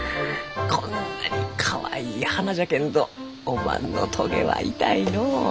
こんなにかわいい花じゃけんどおまんのトゲは痛いのう。